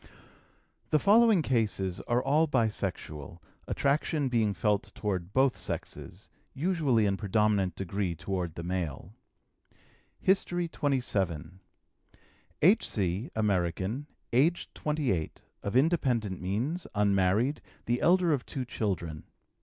The following cases are all bisexual, attraction being felt toward both sexes, usually in predominant degree toward the male: HISTORY XXVII. H.C., American, aged 28, of independent means, unmarried, the elder of two children.